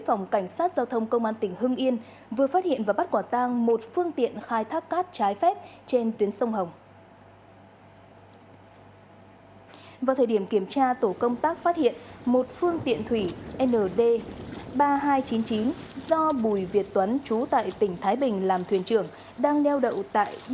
phòng cảnh sát điều tra tội phạm về tham nhũng kinh tế buôn lợi